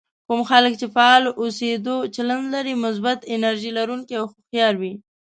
کوم خلک چې فعال اوسېدو چلند لري مثبت، انرژي لرونکي او هوښيار وي.